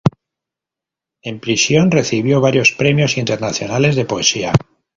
En prisión recibió varios premios internacionales de poesía.